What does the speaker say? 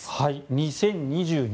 ２０２２